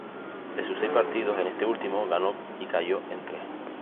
De sus seis partidos en este último, ganó y cayó en tres.